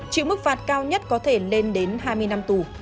chịu mức phạt cao nhất có thể lên đến hai mươi năm tù